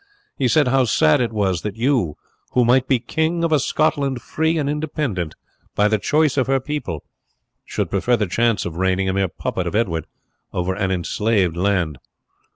He said how sad it was that you, who might be King of a Scotland free and independent, by the choice of her people, should prefer the chance of reigning, a mere puppet of Edward, over an enslaved land.